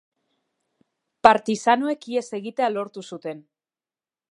Partisanoek ihes egitea lortu zuten.